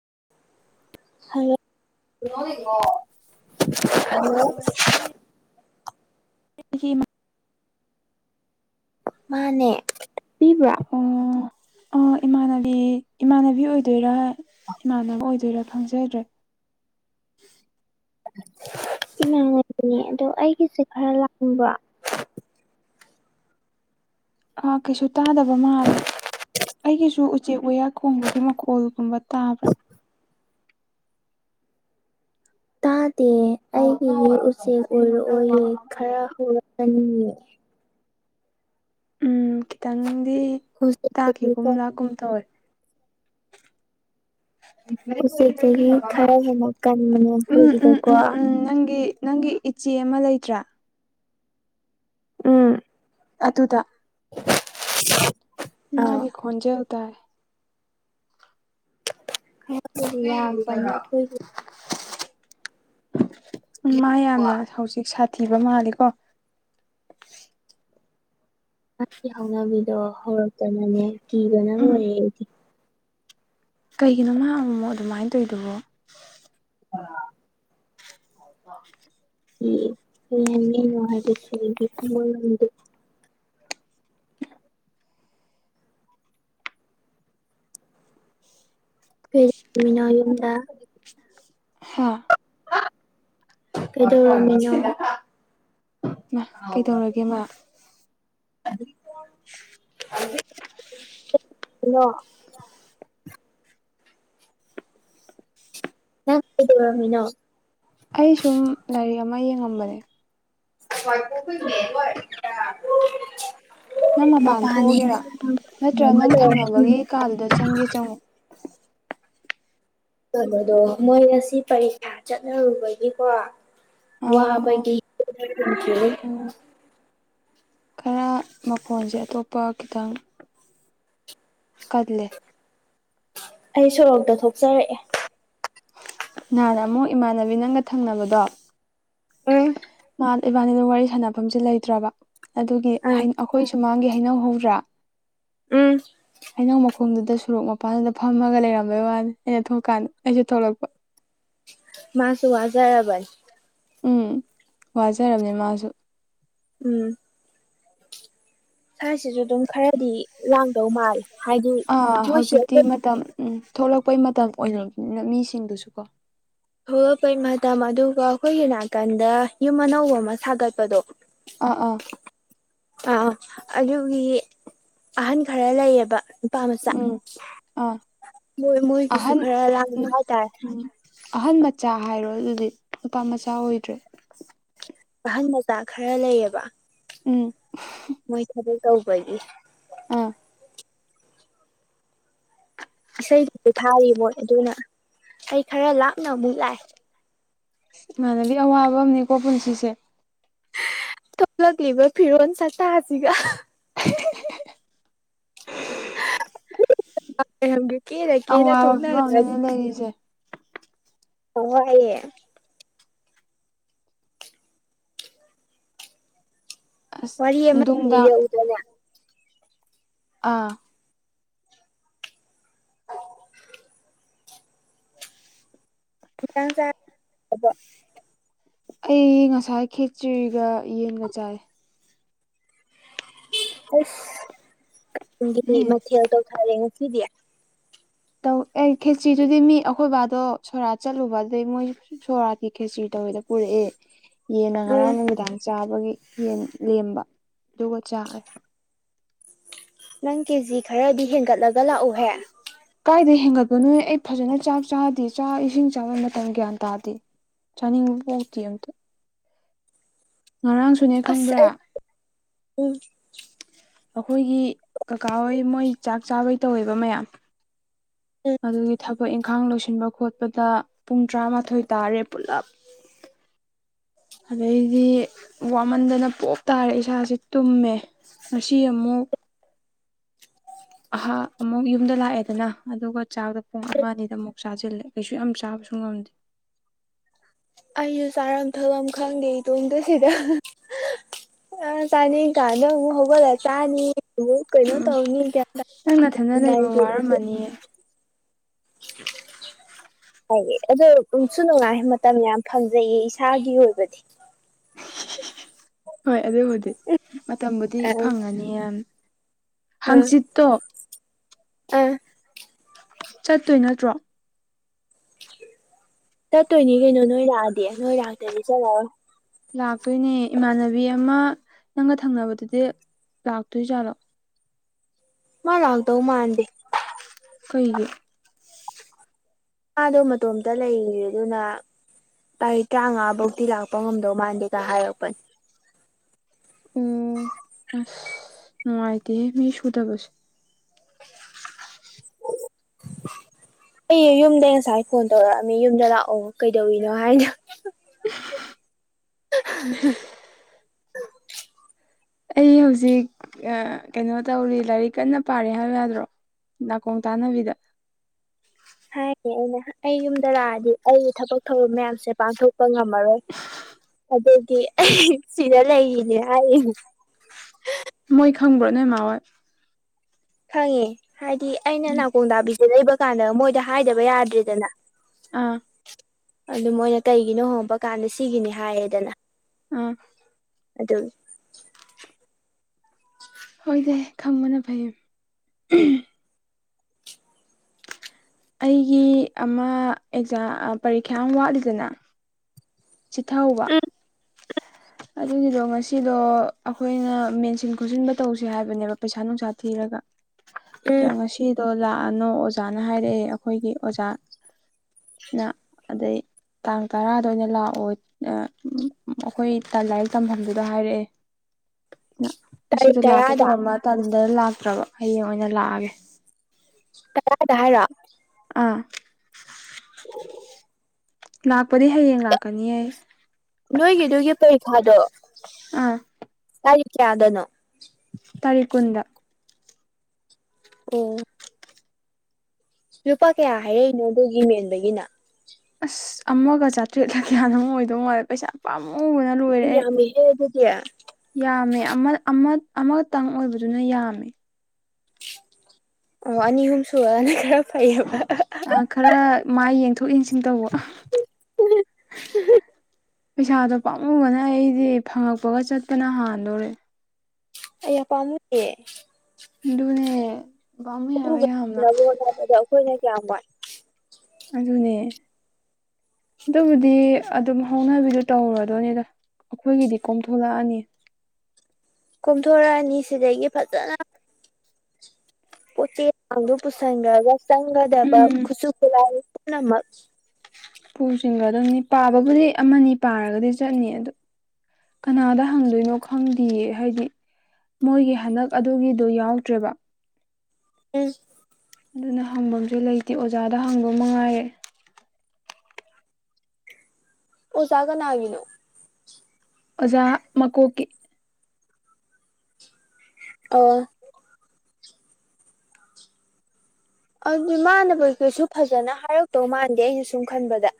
ꯍꯥꯏ [inaudible] ꯍꯤꯃꯠ ꯃꯥꯅꯦ ꯄꯤꯕ꯭ꯔꯥ꯫ ꯑꯣ ꯑꯣ ꯏꯃꯥꯟꯅꯕꯤ ꯏꯃꯥꯟꯅꯕꯤ ꯑꯣꯏꯗꯣꯏꯔꯥ꯫ ꯏꯃꯥꯟꯅꯕ ꯑꯣꯏꯗꯣꯏꯔꯥ ꯈꯪꯖꯗ꯭ꯔꯦ꯫ [inaudible] [inaudible] ꯏꯃꯥꯅꯦ [inaudible] ꯗꯣ ꯑꯩꯒꯤꯁꯦ ꯈꯔ ꯂꯥꯡꯕ꯭ꯔꯥ꯫ ꯑꯥ ꯀꯩꯁꯨ ꯇꯥꯗꯕ ꯃꯥꯜꯂꯦ ꯑꯩꯒꯤꯁꯨ ꯆꯦꯛꯋꯌꯥ ꯈꯣꯡꯕꯒꯤ ꯃꯈꯣꯜꯒꯨꯝꯕ ꯇꯥꯕ꯭ꯔꯥ꯫ ꯇꯥꯗꯦ ꯑꯩꯒꯤꯢ ꯎꯆꯦꯛ ꯑꯣꯢꯔꯛꯑꯣꯌꯦ ꯈꯔ ꯍꯧꯔꯛ ꯑꯅꯤꯌꯦ꯫ [inaudible] ꯎꯝ ꯈꯤꯇꯪꯗꯤ ꯎꯆꯦꯛꯇꯒꯤ ꯇꯥꯈꯤꯒꯨꯝ ꯂꯥꯛꯀꯨꯝ ꯇꯧꯋꯦ꯫ ꯎꯆꯦꯛꯇꯒꯤ [inaudible] ꯈꯔ ꯍꯦꯟꯅ ꯀꯟꯕꯅꯦ ꯎꯝ ꯎꯝ ꯑꯩꯈꯣꯏꯒꯤꯗꯤꯀꯣ꯫ ꯎꯝ ꯎꯝ ꯅꯪꯒꯤ ꯅꯪꯒꯤ ꯏꯆꯦ ꯑꯃ ꯂꯩꯇ꯭ꯔꯥ꯫ ꯎꯝ꯫ ꯑꯗꯨ ꯑꯗꯨꯗ [unintelligible] ꯑꯥ ꯃꯥꯒꯤꯦ ꯈꯣꯟꯖꯦꯇꯥꯦ ꯍ ꯌꯥꯝ ꯎꯝ ꯃꯥ ꯌꯥꯝꯅ ꯍꯧꯖꯤꯛ ꯁꯥꯊꯤꯕ ꯃꯥꯜꯂꯤꯀꯣ ꯑꯩꯒꯤ ꯍꯧꯅꯕꯤꯗꯣ ꯍꯧꯔꯛꯇꯅꯅꯦ ꯀꯤꯕꯅ ꯎꯝ ꯂꯣꯏꯔꯦꯗꯤ ꯀꯩꯒꯤꯅꯣ ꯃꯥ ꯑꯃꯨꯃꯣ ꯑꯗꯨꯃꯥꯏꯅ ꯇꯧꯔꯤꯗꯨꯕꯣ ꯑꯥ ꯅꯤꯅꯨꯡꯉꯥꯏꯒꯁ ꯐꯃꯤꯅꯣ ꯌꯨꯝꯗ ꯍꯥꯥ ꯀꯩꯗ ꯃꯥ ꯀꯩꯗꯧꯔꯒꯦ ꯃꯥ ꯑꯗꯨ [unintelligible] [unintelligible] ꯣ ꯅꯪ ꯀꯗꯃꯤꯅꯣ ꯑꯩ ꯁꯨꯝ ꯂꯥꯏꯔꯤꯛ ꯑꯃ ꯌꯦꯡꯉꯝꯕꯅꯦ ꯍ ꯀꯣꯏ ꯃꯦꯣ ꯅꯪ ꯃꯄꯥꯟ ꯊꯣꯛꯑꯒꯦꯔꯥ ꯅꯠꯇ꯭ꯔꯥ ꯅꯪ ꯊꯪꯅꯕꯒꯤ ꯀꯥꯜꯗ ꯆꯪꯒꯦ ꯆꯪꯉꯨ ꯀꯩꯅꯣꯗꯣ ꯃꯣꯏ ꯉꯁꯤ ꯄꯔꯤꯈ꯭ꯌꯥ ꯆꯠꯅꯔꯨꯕꯒꯤꯀꯣ ꯋꯥꯍ ꯑꯣ ꯑꯣ ꯊꯨ ꯈꯔ ꯃꯈꯣꯟꯁꯦ ꯑꯇꯣꯞꯄ ꯈꯤꯇꯪ ꯀꯗꯂ ꯑꯩ ꯁꯣꯔꯣꯛꯇ ꯊꯣꯛꯆꯔꯛꯑꯦ ꯅꯍꯥꯟꯥꯟ ꯑꯃꯨꯛ ꯏꯃꯥꯟꯅꯕꯤ ꯅꯪꯒ ꯊꯪꯅꯕꯗꯣ ꯎꯝ ꯃꯥ ꯏꯕꯥꯅꯤꯅ ꯋꯥꯔꯤ ꯁꯥꯟꯅꯐꯝꯁꯦ ꯂꯩꯇ꯭ꯔꯕ ꯑꯗꯨꯒꯤ ꯑꯥ ꯑꯩꯈꯣꯏꯁꯨ ꯃꯥꯥꯡꯒꯤ ꯍꯩꯅꯧꯍꯗ꯭ꯔꯥ ꯎꯝ ꯑꯩꯅꯪ ꯃꯈꯣꯡꯗꯨꯗ ꯁꯣꯔꯣꯛ ꯃꯄꯥꯟꯗꯨꯗ ꯐꯝꯃꯒ ꯂꯩꯔꯝꯕꯩ ꯋꯥꯅꯤ ꯑꯩꯅ ꯊꯣꯛꯂꯀꯥꯟꯗ ꯑꯩꯁꯨ ꯊꯣꯛꯂꯛꯄ ꯃꯥꯁꯨ ꯋꯥꯖꯔꯕꯜ ꯎꯝ ꯋꯥꯖꯔꯕꯅꯦ ꯃꯥꯁꯨ ꯎꯝ ꯁ꯭ꯋꯥꯁꯤꯁꯨ ꯑꯗꯨꯝ ꯈꯔꯗꯤ ꯂꯥꯡꯗꯧ ꯃꯥꯜꯂꯦ ꯍꯥꯏꯗꯤ ꯑꯥ ꯃꯣꯏꯁꯤ ꯍꯧꯖꯤꯛꯇꯤ ꯑꯩꯈꯣꯏ ꯃꯇꯝ ꯎꯝ ꯊꯣꯛꯂꯛꯄꯩ ꯃꯇꯝ ꯑꯣꯏꯅ ꯃꯤꯁꯤꯡꯗꯨꯁꯨ ꯀꯣ ꯊꯣꯛꯂꯛꯄꯩ ꯃꯇꯝ ꯑꯗꯨꯒ ꯑꯩꯈꯣꯏꯒꯤ ꯅꯥꯀꯟꯗ ꯌꯨꯝ ꯑꯅꯧꯕ ꯑꯃ ꯁꯥꯒꯠꯄꯗꯣ ꯑꯥ ꯑꯥ ꯑꯥ ꯑꯗꯨꯒꯤ ꯑꯍꯟ ꯈꯔ ꯂꯩꯌꯦꯕ ꯄꯥꯝꯆꯥ ꯎꯝ ꯑꯥ ꯃꯣꯏ ꯃꯣꯏꯒꯤꯁꯨ ꯑꯍꯟ ꯈꯔ ꯂꯥꯡꯕ ꯍꯥꯏꯇꯥꯔꯦ ꯆꯥ ꯍꯥꯏꯔꯣ ꯑꯗꯨꯗꯤ ꯂꯨꯄꯥ ꯃꯆꯥ ꯑꯣꯏꯗ꯭ꯔꯦ ꯑꯍꯟ ꯃꯆꯥ ꯈꯔ ꯂꯩꯌꯦꯕ ꯎꯝ ꯃꯣꯏ ꯊꯕꯛ ꯇꯧꯕꯒꯤ ꯑꯥ ꯏꯁꯩꯗꯨꯁꯨ ꯊꯥꯔꯤ ꯃꯣꯏ ꯑꯗꯨꯅ ꯏꯁꯩ ꯈꯔ ꯂꯥꯞꯅ ꯑꯃꯨꯛ ꯂꯥꯛꯑꯦ ꯏꯃꯥꯟꯅꯕꯤ ꯑꯋꯥꯕ ꯑꯃꯅꯦꯀꯣ ꯄꯨꯟꯁꯤꯁꯦ ꯊꯣꯛꯂꯛꯂꯤꯕ ꯐꯤꯔꯣꯟ ꯆꯠꯠꯇꯁꯤꯒ ꯒ ꯀꯦꯅ ꯀꯦꯅ ꯑꯋꯥꯕ ꯐꯤꯕꯝ ꯊꯣꯛꯅꯔꯅꯤ ꯑꯃꯗꯅꯦ ꯂꯩꯔꯤꯁꯦ ꯑꯣꯑꯌꯦ ꯑꯁ ꯐꯔꯤ ꯑꯃꯃꯦ ꯅꯨꯡꯗꯥꯡ ꯂꯩ ꯇꯅ ꯑꯥ ꯏꯪꯁꯕ ꯑꯩ ꯉꯁꯥꯏ ꯈꯦꯇ꯭ꯔꯤꯒ ꯌꯦꯟꯒ ꯆꯥꯏ ꯑꯁꯗꯤ ꯎꯝ ꯃꯊꯦꯜ ꯇꯧꯈꯔꯦ ꯉꯁꯤꯗꯤ ꯇꯧ ꯑꯦ ꯈꯦꯆꯇ꯭ꯔꯤꯗꯨꯗꯤ ꯃꯤ ꯑꯩꯈꯣꯏꯕꯥꯗꯣ ꯁꯣꯔꯥ ꯆꯠꯂꯨꯕ ꯑꯗꯨꯗꯩ ꯃꯣꯏ ꯁꯣꯔꯥꯗꯤ ꯈꯦꯇ꯭ꯔꯤꯗ ꯇꯗ ꯄꯨꯔꯛꯑꯦ ꯌꯦꯅ ꯉꯔꯥꯡ ꯎꯝ ꯅꯨꯃꯤꯗꯥꯡ ꯆꯥꯕ ꯌꯦꯟ ꯂꯦꯝꯕ ꯑꯗꯨꯒ ꯆꯥꯔꯦ ꯅꯪ ꯀꯦꯖꯤ ꯈꯔꯗꯤ ꯍꯦꯟꯒꯠꯂꯒ ꯂꯥꯛꯎꯍꯦ ꯀꯥꯏꯗ ꯍꯦꯟꯒꯠꯄꯅꯣ ꯑꯩ ꯐꯖꯅ ꯆꯥꯛ ꯆꯥꯗꯦ ꯆꯥꯛ ꯏꯁꯤꯡ ꯆꯥꯕ ꯃꯇꯝ ꯒ꯭ꯌꯥꯟ ꯇꯥꯗꯦ ꯆꯅꯤꯡꯕꯨꯇ ꯑꯇ ꯉꯔꯥꯡꯁꯨꯅꯦ ꯑꯁ ꯈꯪꯕ꯭ꯔꯥ ꯑꯩ ꯎꯝ ꯑꯩꯈꯣꯏꯒꯤ ꯀꯀꯥ ꯍꯣꯏ ꯃꯣꯏ ꯆꯥꯛ ꯆꯥꯕꯩ ꯇꯧꯋꯦꯕ ꯃꯌꯥꯝ ꯎꯝ ꯑꯗꯨꯒꯤ ꯊꯕꯛ ꯏꯪꯈꯥꯡ ꯂꯣꯏꯁꯤꯟꯕ ꯈꯣꯠꯄꯗ ꯄꯨꯡ ꯇꯔꯥꯃꯥꯊꯣꯏ ꯇꯥꯔꯦ ꯄꯨꯂꯞ ꯑꯗꯩꯗꯤ ꯋꯥꯃꯟꯗꯅ ꯄꯣꯞꯇꯥꯥꯔꯦ ꯏꯁꯥꯥꯁꯦ ꯇꯨꯝꯃꯦ ꯉ ꯑꯃꯨꯛ [inaudible] ꯑꯍꯥ ꯑꯃꯨꯛ ꯌꯨꯝꯗ ꯂꯥꯛꯑꯦꯗꯅ ꯑꯗꯨꯒ ꯆꯥꯕꯗ ꯄꯨꯡ ꯑꯃ ꯑꯅꯤꯗ ꯑꯃꯨꯛ ꯆꯥꯁꯤꯜꯂꯦ ꯀꯩꯁꯨ ꯌꯥꯝ ꯆꯥꯕꯁꯨ ꯑ ꯑꯩꯁꯨ ꯆꯥꯔꯝ ꯊꯐꯝꯐꯝ ꯈꯪꯗꯦ ꯏꯇꯣꯗ ꯁꯤꯗ ꯑ ꯇꯥꯅꯤ ꯀꯥꯟ ꯍꯒ ꯂꯦ ꯇꯥꯅꯤ ꯑꯣ ꯀꯩꯅꯣ ꯎꯝ ꯇꯅꯤ ꯀꯁ ꯀ ꯍꯥꯏ ꯑꯗꯣꯁꯨ ꯅꯨꯡꯉꯥꯏ ꯃꯇꯝ ꯌꯥꯝ ꯐꯪꯖꯩꯌꯦ ꯏꯁꯥꯒꯤ ꯑꯣꯏꯕꯗꯤ ꯍꯣꯏ ꯑꯗꯨꯕꯨꯗꯤ ꯃꯇꯝꯕꯨꯗꯤ ꯑ ꯐꯪꯉꯅꯤ ꯌꯥꯝ ꯍꯪꯆꯤꯠꯠꯇ ꯑ ꯆꯠꯇꯣꯏ ꯅꯠꯇ꯭ꯔꯣ ꯆꯠꯇꯣꯏꯅꯤ ꯀꯩꯅꯣ ꯅꯣꯏ ꯂꯥꯛꯑꯗꯤ ꯅꯣꯏ ꯂꯥꯛꯇꯗꯤ ꯆꯠꯂꯛꯑꯣ ꯂꯥꯛꯇꯣꯏꯅꯦ ꯏꯃꯥꯟꯅꯕꯤ ꯑꯃ ꯅꯪꯒ ꯊꯪꯅꯕꯗꯨꯗꯤ ꯂꯥꯛꯇꯣꯏꯏ ꯆꯂꯣ ꯃꯥ ꯂꯥꯛꯗ ꯎ ꯃꯥꯗꯗꯤ ꯑꯩꯈꯣꯏꯒꯤ ꯃꯥꯗꯣ ꯃꯇꯣꯝꯇ ꯂꯩꯔꯤ ꯑꯗꯨꯅ ꯇꯥꯔꯤꯛ ꯇꯔꯥꯃꯉꯥ ꯐꯧꯤ ꯂꯥꯛꯄ ꯉꯝꯗꯧ ꯃꯥꯟꯗꯦꯒ ꯍꯥꯏꯔꯛꯄꯅꯦ ꯅꯅꯨꯡꯉꯥꯏꯗꯤ ꯃꯤ ꯁꯨꯗꯕꯁꯦ [unintelligible] ꯑꯩ ꯌꯨꯝꯗꯒꯤꯩ ꯉꯁꯥꯏ ꯐꯣꯟ ꯇꯧꯔꯛꯑꯃꯤ ꯌꯨꯝꯗ ꯂꯥꯛꯑꯣ ꯀꯩꯗꯧꯏꯤꯅꯣ ꯍꯥꯏꯅ [unintelligible] ꯑꯩ ꯍꯧꯖꯤꯛ ꯀꯩꯅꯣ ꯇꯧꯔꯤ ꯂꯥꯏꯔꯤꯛ ꯀꯟꯅ ꯄꯥꯔꯦ ꯍꯥꯏꯕ ꯌꯥꯗ꯭ꯔꯣ ꯅꯥꯀꯣꯡ ꯇꯥꯅꯕꯤꯗ ꯍꯥꯏꯌꯦ ꯑꯩꯅ ꯑꯩ ꯌꯨꯝꯗꯔꯛꯑꯗꯤ ꯑꯩꯒꯤ ꯊꯕꯛ ꯊꯧꯔꯝ ꯃꯌꯥꯝꯁꯦ ꯄꯥꯡꯊꯣꯛ ꯪ ꯉꯝꯕꯔꯣꯏ ꯑꯗꯨꯗꯤ ꯁꯤꯗ ꯂꯩꯔꯤꯅꯦ ꯍꯥꯏꯅꯦ ꯃꯣꯏ ꯈꯪꯕ꯭ꯔꯣꯅꯦ ꯃꯥ ꯍꯣꯏ ꯈꯪꯉꯦ ꯍꯥꯏꯗꯤ ꯑꯩꯅ ꯎꯝ ꯅꯥꯀꯣꯡ ꯇꯗꯥꯕꯤꯁꯦ ꯂꯩꯕ ꯀꯥꯟꯗ ꯃꯣꯏꯗ ꯍꯥꯏꯗꯕ ꯌꯥꯗ꯭ꯔꯦꯗꯅ ꯑꯥ ꯑꯗꯨ ꯃꯣꯏꯅ ꯀꯩꯒꯤꯅꯣ ꯍꯣꯡꯕ ꯀꯥꯟꯗ ꯁꯤꯒꯤꯅꯤ ꯍꯥꯏꯌꯦꯗꯅ ꯎꯝ ꯑꯗꯨꯅꯤ ꯍꯣꯏꯗꯤꯦ ꯈꯪꯕꯅ ꯐꯩꯌꯦ ꯑꯩꯒꯤ ꯑꯃ ꯑꯦꯛꯖꯥꯝ ꯄꯔꯤꯈ꯭ꯌꯥ ꯑꯃ ꯋꯥꯠꯂꯤꯗꯅ ꯆꯤꯊꯥꯎꯧꯕ ꯎꯝ [inaudible] ꯑꯗꯨꯒꯤꯗꯣ ꯉꯁꯤꯗꯣ ꯑꯩꯈꯣꯏꯅ ꯃꯦꯟꯁꯤꯟ ꯈꯣꯠꯆꯤꯟꯕ ꯇꯧꯁꯦ ꯍꯥꯏꯕꯅꯦꯕ ꯄꯩꯁꯥ ꯅꯨꯡꯁꯥ ꯊꯤꯔꯒ ꯎꯝ ꯉꯁꯤꯗꯣ ꯂꯥꯛꯑꯅꯣ ꯑꯣꯖꯥꯅ ꯍꯥꯏꯔꯛꯑꯦ ꯑꯩꯈꯣꯏꯒꯤ ꯑꯣꯖꯥ ꯅ ꯑꯗꯨꯗꯩ ꯇꯥꯡ ꯇꯔꯥꯗ ꯑꯣꯏꯅ ꯂꯥꯛꯑꯣ ꯑꯣ ꯑꯩꯈꯣꯏ ꯇ ꯂꯥꯏꯔꯤꯛ ꯇꯝꯐꯝꯗꯨꯗ ꯍꯥꯏꯔꯛꯑꯦ ꯇꯥꯔꯤꯛ ꯃꯁꯤꯗꯣ ꯂꯥꯛꯀꯦ ꯇꯔꯥꯗ ꯇꯣꯡ ꯃꯇꯝꯗ ꯂꯥꯛꯇ꯭ꯔꯕ ꯍꯌꯦꯡ ꯑꯣꯏꯅ ꯂꯥꯛꯑꯒꯦ ꯀꯔꯗ ꯍꯥꯏꯔ ꯑꯥ [inaudible] ꯂꯥꯛꯄꯗꯤ ꯍꯌꯦꯡ ꯂꯥꯛꯀꯅꯤꯌꯦ ꯅꯣꯏꯒꯤꯗꯨꯒꯤ ꯄꯔꯤꯈꯥꯗꯣ ꯑꯥ ꯀꯔꯤ ꯀꯗꯅꯣ ꯇꯥꯔꯤꯛ ꯀꯨꯟꯗ ꯑ ꯂꯨꯄꯥ ꯀꯌꯥ ꯍꯥꯏꯔꯛꯏꯅꯣ ꯑꯗꯨꯒꯤ ꯃꯦꯟꯕꯒꯤꯅ ꯑꯁ ꯑꯃꯒ ꯆꯥꯇ꯭ꯔꯦꯠꯂ ꯀꯌꯥꯅ ꯑꯃꯨꯛ ꯑꯣꯏꯗꯧ ꯃꯥꯜꯂꯦ ꯄꯩꯁꯥ ꯄꯥꯝꯕ ꯂꯕꯅ ꯂꯣꯏꯔꯦ ꯌꯥꯝ ꯑꯩ ꯌꯥꯝꯃꯤꯍꯦ ꯑꯗꯨꯗꯤ ꯌꯥꯝꯃꯦ ꯑꯃ ꯑꯃ ꯑꯃꯇꯪ ꯑꯣꯏꯕꯗꯨꯅ ꯌꯥꯝꯃꯦ ꯑꯣ ꯑꯅꯤ ꯑꯍꯨꯝ ꯁꯨꯔꯅ ꯈꯔ ꯐꯩꯌꯦꯕ ꯑ ꯈꯔ ꯃꯥꯏ ꯌꯦꯡꯊꯣꯛ ꯌꯦꯟꯁꯤꯟ ꯇꯧꯕ ꯄꯩꯁꯥꯗꯣ ꯄꯥꯝꯃꯨꯒꯅ ꯑꯩꯗꯤ ꯐꯪꯉꯛꯄꯒ ꯆꯠꯄꯅ ꯍꯥꯟꯗꯣꯔꯦ ꯑ ꯄꯝꯦ ꯑꯗꯨꯅꯦ ꯄꯥꯝꯃꯨꯏ ꯍꯥꯏꯕ ꯣꯗ ꯌꯥꯝꯅ ꯑꯩꯈꯣꯏꯅ ꯀꯌꯥꯝ ꯋꯥꯏ ꯑꯗꯨꯅꯦ ꯑꯗꯨꯕꯨꯗꯤ ꯑꯗꯨꯝ ꯍꯧꯅꯕꯤꯗꯨ ꯇꯧꯔꯗꯣꯏꯅꯦꯗ ꯑꯩꯈꯣꯏꯒꯤꯗꯤ ꯀꯣꯝꯊꯣꯂꯛꯑꯅꯤ ꯀꯣꯝꯊꯣꯔꯛꯑꯅꯤ ꯁꯤꯗꯒꯤ ꯐꯖꯅ ꯄꯣꯠ ꯆꯩꯤꯗꯨ ꯄꯨꯁꯟꯒꯒ ꯆꯪꯒꯗꯕ ꯎꯝ ꯈꯨꯠꯁꯨ ꯈꯨꯠꯂꯥꯏ ꯃ ꯄꯨꯁꯤꯡꯕ ꯑꯗꯨꯝ ꯄꯥꯕꯕꯨꯗꯤ ꯑꯃꯅꯤ ꯄꯥꯔꯒꯗꯤ ꯆꯠꯅꯤ ꯑꯗꯨ ꯀꯅꯥꯗ ꯍꯪꯗꯣꯏꯅꯣ ꯈꯪꯗꯌꯦ ꯍꯥꯏꯗꯤ ꯃꯣꯏꯒꯤ ꯍꯟꯗꯛ ꯑꯗꯨꯒꯤꯗꯨ ꯌꯥꯎꯗ꯭ꯔꯦꯕ ꯎꯝ ꯑꯗꯨꯅ ꯍꯪꯐꯝꯁꯨ ꯂꯩꯇꯦ ꯑꯣꯖꯥꯗ ꯍꯪꯕ ꯃꯉꯥꯏꯔꯦ ꯑꯣꯖꯒꯅꯥꯅꯣ ꯑꯣꯖꯥ ꯃꯀꯣꯛꯀꯤꯦ ꯑꯣ ꯑꯗꯨꯃꯥꯟꯅꯕꯗꯨꯁꯨ ꯐꯖꯅ ꯍꯥꯏꯔꯛꯇꯧ ꯃꯥꯟꯗꯦ ꯑꯩꯅ ꯁꯨꯝ ꯈꯟꯕꯗ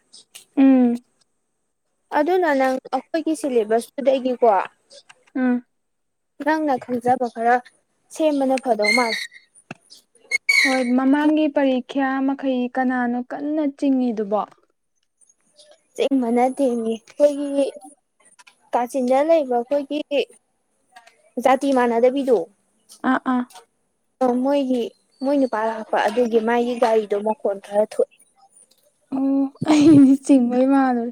ꯎꯝ ꯑꯗꯨꯅ ꯅꯪ ꯑꯩꯈꯣꯏꯒꯤ ꯁꯤꯂꯦꯕꯁꯇꯨꯗꯒꯤꯀꯣ ꯎꯝ ꯅꯪꯅ ꯈꯪꯖꯕ ꯈꯔ ꯁꯦꯝꯕꯅ ꯐꯗꯧ ꯃꯥꯜꯂꯦ ꯍꯣꯏ ꯃꯃꯥꯡꯒꯤ ꯄꯔꯤꯈ꯭ꯌꯥ ꯃꯈꯩ ꯀꯅꯥꯅꯣ ꯀꯟꯅ ꯆꯤꯡꯏꯤꯗꯨꯕꯣ ꯁꯤꯦꯡ ꯃꯅꯥꯗꯦꯡꯅꯦ ꯑꯩꯈꯣꯏꯒꯤ ꯀꯥꯆꯤꯟꯗ ꯂꯩꯕ ꯑꯩꯈꯣꯏꯒꯤ ꯖꯥꯇꯤ ꯃꯥꯟꯅꯗꯕꯤꯗꯣ ꯑꯥ ꯑ [inaudible] ꯑꯣ ꯃꯣꯏꯒꯤ ꯃꯣꯏ ꯅꯨꯄꯥ ꯂꯥꯛꯄ ꯑꯗꯨꯒꯤ ꯃꯥꯒꯤ ꯒꯥꯔꯤꯗꯣ ꯃꯈꯣꯟ ꯈꯔ ꯊꯣꯛꯑꯦ ꯑꯣ ꯑꯩꯗꯤ ꯆꯤꯡꯕꯩ ꯃꯥꯗꯔꯦ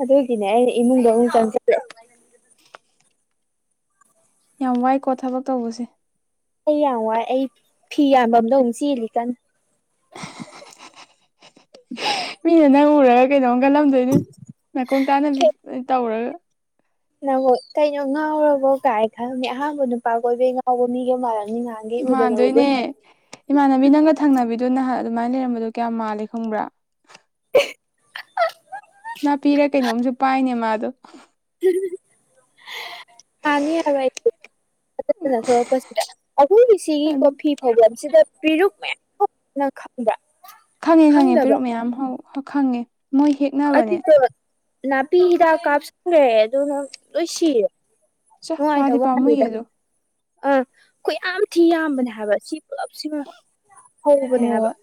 ꯑꯗꯨꯗ ꯍꯒꯅꯦ ꯏꯃꯨꯡꯗ ꯎ ꯇꯦ ꯌꯥꯝ ꯋꯥꯏꯀꯣ ꯊꯕꯛ ꯇꯧꯕꯁꯦ ꯑꯩ ꯌꯥꯝ ꯋꯥꯏ ꯑꯩ ꯐꯤ ꯌꯥꯝꯕ ꯑꯝꯗ ꯑꯃꯨꯛ ꯆꯦꯜꯂꯤ ꯀꯥꯟ ꯃꯤꯅ ꯅꯪ ꯎꯔꯒ ꯀꯩꯩꯅꯧꯒꯜꯂꯝꯗꯣꯏꯅꯤ ꯅꯥꯀꯣꯡ ꯇꯥꯅꯕꯤ ꯇꯧꯔꯒ ꯅꯪ ꯀꯩꯅꯣ ꯉꯥꯎꯔꯕꯣ ꯀꯥꯏ ꯈꯜꯂꯝꯅꯤ ꯑꯍꯥꯟꯕ ꯅꯨꯄꯥ ꯀ ꯑꯣꯏꯣꯏꯕꯩ ꯉꯥꯎꯕ ꯃꯤꯒ ꯃꯥꯜꯂꯝꯅꯤ ꯉ ꯃꯥꯟꯗꯣꯏꯅꯦ ꯏꯃꯥꯟꯅꯕꯤ ꯅꯪꯒ ꯊꯪꯅꯕꯤꯗꯣ ꯅꯍꯥꯟ ꯑꯗꯨꯃꯥꯏꯅ ꯂꯩꯔꯝꯕꯗꯣ ꯀꯌꯥ ꯃꯥꯜꯂꯦ ꯈꯪꯕ꯭ꯔꯥ [unintelligible] [inaudible] ꯅꯥꯄꯤꯔ ꯀꯩꯅꯣꯝꯁꯨ ꯄꯥꯏꯅꯦ ꯃꯥꯗꯣ ꯀꯅꯤ ꯑꯋꯥ ꯐꯖ ꯊꯣꯛꯂꯛꯄꯁꯤꯗ ꯑꯈꯣꯏꯒꯤꯁꯤꯒꯤꯀꯣ ꯈꯪꯉꯦ ꯐꯤ ꯐꯥꯎꯕꯁꯤꯗ ꯐꯤꯔꯨꯛ ꯃꯌꯥꯝ ꯊꯣꯛꯅ ꯈꯪꯗ ꯈꯪꯉꯦ ꯈꯪꯉꯦ ꯄꯦꯔꯨꯛ ꯃꯌꯥꯝ ꯈꯪꯉꯦ ꯃꯣꯏ ꯍꯦꯛꯅꯕꯅꯦ ꯑꯗꯨꯗꯣ ꯅꯥꯄꯤ ꯍꯤꯗꯥꯛ ꯀꯥꯞꯁꯤꯈꯨꯔꯦ ꯑꯗꯨꯅ ꯂꯣꯏ ꯁꯤꯔꯦ ꯆ ꯄꯥꯗꯤ ꯅꯨꯡꯉꯥꯏꯇꯕ ꯄꯝꯃꯨꯣꯏ ꯌꯦ ꯋꯥꯅꯤꯗ ꯑꯗꯨꯣ ꯑꯥ ꯑꯩꯣꯏ ꯌꯥꯝ ꯊꯤ ꯌꯥꯝꯕꯅꯦ ꯍꯥꯏꯕ ꯁꯤ ꯄꯨꯂꯞꯁꯤꯃ ꯍꯧꯕꯅꯦ ꯍꯥꯏꯕ ꯍꯣꯏ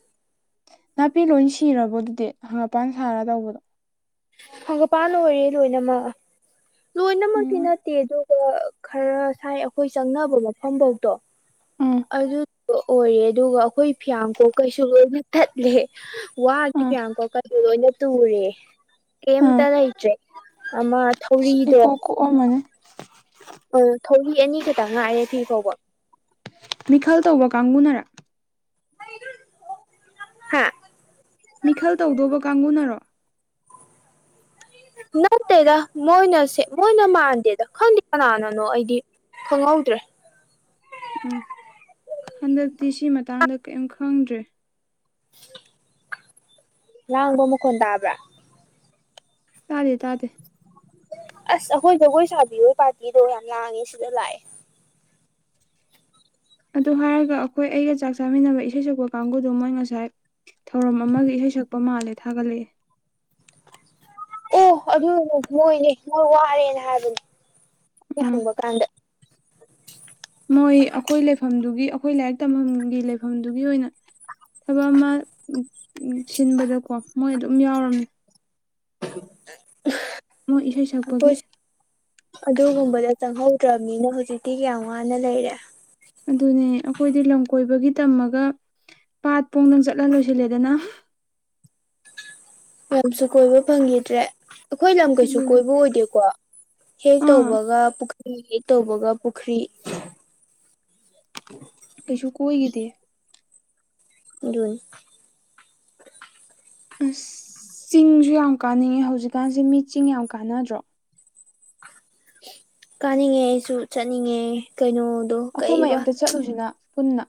ꯅꯥꯄꯤ ꯂꯣꯏ ꯁꯤꯔꯕꯣ ꯑꯗꯨꯗꯤ ꯍꯪꯉꯄꯥꯟ ꯁꯥꯔ ꯇꯧꯕꯗꯣ ꯍꯪꯒꯄꯥꯟꯅ ꯑꯣꯏꯔꯦ ꯂꯣꯏꯅꯃꯛ ꯂꯣꯏꯅꯃꯛꯇꯤ ꯎꯝ ꯅꯠꯇꯦ ꯑꯗꯣ ꯈꯔ ꯁꯥꯏ ꯑꯩꯈꯣꯏ ꯆꯪꯅꯕ ꯃꯐꯝꯐꯧꯗꯣ ꯎꯝ ꯑꯗꯨ ꯑꯣꯏꯔꯦ ꯑꯗꯨꯒ ꯑꯩꯈꯣꯏ ꯐꯤꯌꯥꯡ ꯀꯣꯛ ꯀꯩꯁꯨ ꯂꯣꯏꯅ ꯊꯠꯂꯦ ꯋꯥꯒꯤ ꯎꯝ ꯐꯤꯌꯥ ꯀꯣꯀꯗ ꯂꯣꯏꯅ ꯇꯨꯔꯦ ꯎꯝ ꯀꯩꯝꯇ ꯂꯩꯇ꯭ꯔꯦ ꯑꯃ ꯊꯧꯔꯤꯗꯣ ꯏꯀꯣꯛ ꯀꯣꯛꯑꯝꯃꯅꯤ ꯑꯣ ꯊꯧꯤ ꯑꯅꯤ ꯈꯛꯇ ꯉꯥꯏꯔꯦ ꯊꯤ ꯐꯥꯎꯕ ꯃꯤꯈꯜ ꯇꯧꯕ ꯀꯥꯡꯕꯨꯅꯔꯥ ꯍꯥꯝ ꯃꯤꯈꯜ ꯇꯧꯗꯧꯕ ꯀꯥꯡꯕꯨꯅꯔꯣ ꯅꯠꯇꯦꯗ ꯃꯣꯏꯅꯁꯦ ꯃꯣꯏꯅ ꯃꯥꯟꯗꯦꯗ ꯈꯪꯗꯦ ꯀꯅꯥꯅꯅꯣ ꯑꯩꯗꯤ ꯈꯪꯍꯧꯗ꯭ꯔꯦ ꯎꯝ ꯍꯟꯗꯛꯇꯤ ꯁꯤ ꯃꯇꯥꯡꯗ ꯀꯔꯤꯝ ꯈꯪꯗ꯭ꯔꯦ ꯂꯥꯡꯕ ꯃꯈꯣꯟ ꯇꯥꯕ꯭ꯔꯥ ꯇꯥꯗꯦ ꯇꯥꯗꯦ ꯑꯁ ꯑꯩꯈꯣꯏ ꯖꯒꯣꯏ ꯁꯥꯕꯤꯌꯣꯏ ꯄꯥꯔꯇꯤꯗꯣ ꯌꯥꯝ ꯂꯥꯡꯉꯦ ꯁꯤꯗ ꯂꯥꯛꯑꯦ ꯑꯗꯨ ꯍꯥꯏꯔꯒ ꯑꯩꯈꯣꯏ ꯑꯩꯒ ꯆꯥꯛ ꯆꯥꯃꯤꯟꯅꯕ ꯏꯁꯩ ꯁꯛꯄ ꯀꯥꯡꯕꯨꯗꯨꯣ ꯃꯣꯏ ꯉꯁꯥꯏ ꯊꯧꯔꯝ ꯑꯃꯒꯤ ꯏꯁꯩ ꯁꯛꯄ ꯃꯥꯜꯂꯦ ꯊꯥꯒꯠꯂꯛꯑꯦ ꯑꯣ ꯑꯗꯨꯅꯦ ꯃꯣꯏꯅꯦ ꯅꯣꯏ ꯋꯥꯔꯦꯅ ꯍꯥꯏꯕꯅꯤ ꯑꯩꯅ ꯎꯝ ꯍꯪꯕ ꯀꯥꯟꯗ ꯃꯣꯏ ꯑꯩꯈꯣꯏ ꯂꯩꯐꯝꯗꯨꯒꯤ ꯑꯩꯈꯣꯏ ꯂꯥꯏꯔꯤꯛ ꯇꯝꯐꯝꯒꯤ ꯂꯩꯐꯝꯗꯨꯒꯤ ꯑꯣꯏꯅ ꯊꯕꯛ ꯑꯃ ꯁꯤꯟꯕꯗꯀꯣ ꯃꯣꯏ ꯑꯗꯨꯝ ꯌꯥꯎꯝꯅꯦ [unintelligible] [inaudible] ꯃꯣꯏ ꯏꯁꯩ ꯏꯁꯩ ꯆꯄꯒꯤ ꯑꯩꯈꯣꯏꯁꯨ ꯑꯗꯨꯒꯨꯝꯕꯗ ꯆꯪꯍꯧꯗ꯭ꯔꯕꯅꯤꯅ ꯍꯧꯖꯤꯛꯇꯤ ꯀꯌꯥꯝ ꯋꯥꯅ ꯂꯩꯔꯦ ꯑꯗꯨꯅꯦ ꯑꯩꯈꯣꯏꯗꯤ ꯂꯝ ꯀꯣꯏꯕꯒꯤ ꯇꯝꯃꯒ ꯄꯥꯠ ꯄꯣꯡꯗꯪ ꯆꯠꯂ ꯂꯣꯏꯁꯤꯜꯂꯦꯗꯅ ꯌꯥꯝꯁꯨ ꯀꯣꯏꯕ ꯐꯪꯈꯤꯗ꯭ꯔꯦ ꯑꯩꯈꯣꯏ ꯂꯝ ꯀꯩꯁꯨ ꯑꯗꯨꯅ ꯀꯣꯏꯕ ꯑꯣꯏꯗꯦꯀꯣ ꯑꯥ ꯍꯦꯇꯕꯕꯒ ꯄꯨ ꯇꯧꯕꯒ ꯄꯨꯈ꯭ꯔꯤ ꯀꯩꯁꯨ ꯀꯣꯏꯈꯤꯗꯦ ꯌꯟ [unintelligible] [inaudible] ꯑꯁ ꯆꯤꯡꯁꯨ ꯌꯥꯝ ꯀꯥꯅꯤꯡꯉꯦ ꯍꯧꯖꯤꯛꯀꯥꯟꯁꯦ ꯃꯤ ꯆꯤꯡ ꯌꯥꯝ ꯀꯥꯟꯅꯗ꯭ꯔꯣ ꯀꯥꯅꯤꯡꯉꯦ ꯑꯩꯁꯨ ꯆꯠꯅꯤꯡꯉꯦ ꯀꯩꯅꯣ ꯑꯈꯣꯏ ꯃꯌꯥꯝꯇ ꯆꯠꯂꯨꯁꯤꯅ ꯄꯨꯟꯅ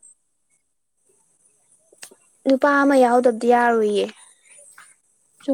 ꯅꯨꯄꯥ ꯑꯃ ꯌꯥꯎꯗꯕꯗꯤ ꯌꯥꯔꯣꯏꯌꯦ ꯆꯨꯝ